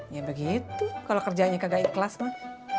ya begitu kalau kerjanya kagak ikhlas mah